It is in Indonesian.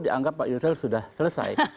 dianggap pak yusril sudah selesai